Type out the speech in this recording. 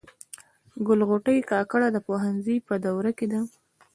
ګل غوټۍ کاکړه د پوهنځي په دوره کي ده.